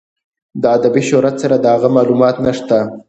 له ادبي شهرت سره د هغه معلومات نشته.